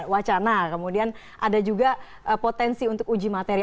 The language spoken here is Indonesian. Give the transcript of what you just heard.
wacana kemudian ada juga potensi untuk uji materi